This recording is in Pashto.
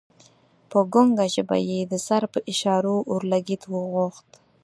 په ګنګه ژبه یې د سر په اشاره اورلګیت وغوښت.